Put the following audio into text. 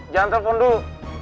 jangan telepon dulu